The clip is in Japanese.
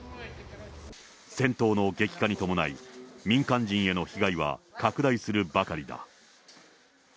戦闘の激化に伴い、民間人への被害は拡大するばかりだ。